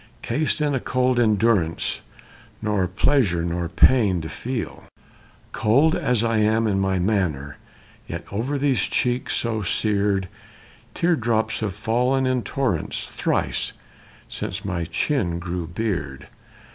Cased in a cold endurance, nor pleasure nor pain to feel; Cold as I am in my manner, yet over these cheeks so seared Teardrops have fallen in torrents, thrice since my chin grew beard.